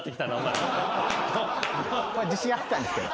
自信あったんですけど。